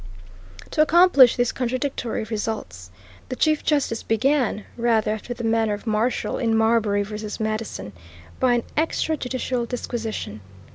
To accomplish these contradictory results, the Chief Justice began, rather after the manner of Marshall in Marbury v. Madison, by an extra judicial disquisition.